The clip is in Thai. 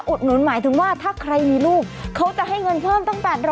หนุนหมายถึงว่าถ้าใครมีลูกเขาจะให้เงินเพิ่มตั้ง๘๐๐